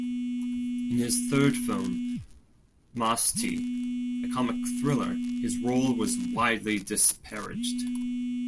In his third film, "Masti", a comic thriller, his role was widely disparaged.